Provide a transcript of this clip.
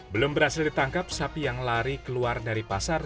belum berhasil ditangkap sapi yang lari keluar dari pasar